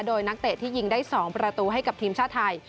โดยนักเตะที่ยิงได้๒ประตูให้กับทีมชาติไทย